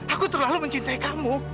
aku terlalu mencintai kamu